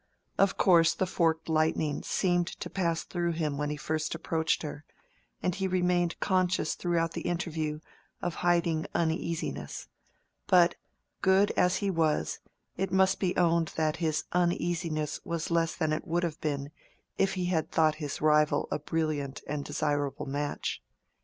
Of course the forked lightning seemed to pass through him when he first approached her, and he remained conscious throughout the interview of hiding uneasiness; but, good as he was, it must be owned that his uneasiness was less than it would have been if he had thought his rival a brilliant and desirable match.